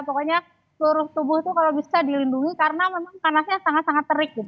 pokoknya seluruh tubuh itu kalau bisa dilindungi karena memang panasnya sangat sangat terik gitu